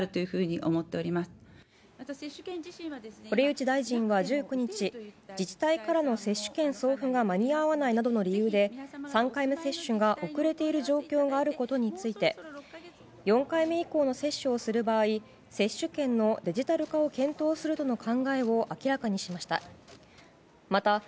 堀内大臣は１９日自治体からの接種券送付が間に合わないなどの理由で３回目接種が遅れている状況があることについて４回目以降の接種をする場合接種券のデジタル化を検討するとの考えを明らかにしました。